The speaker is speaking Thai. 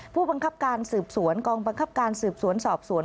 ผู้บังคับการสืบสวนกองบังคับการสืบสวนสอบสวน